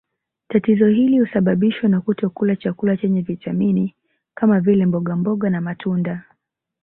Tatizo hili husababishwa na kutokula chakula chenye vitamini kama vile mbogamboga na matunda